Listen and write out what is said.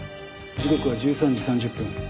時刻は１３時３０分。